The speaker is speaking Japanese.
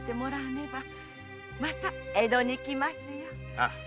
ああ。